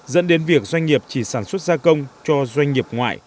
dẫn đến việc doanh nghiệp chỉ sản xuất gia công cho doanh nghiệp ngoại